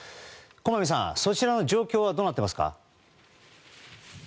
駒見さん、そちらの状況はどうなっていますか。